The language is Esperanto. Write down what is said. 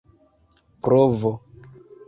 provo